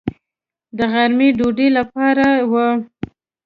د غرمې ډوډۍ لپاره و.